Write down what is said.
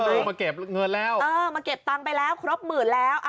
เออมาเก็บเงินแล้วเออมาเก็บตังค์ไปแล้วครบหมื่นแล้ว